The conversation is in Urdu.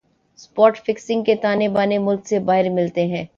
اسپاٹ فکسنگ کے تانے بانے ملک سے باہر ملتےہیں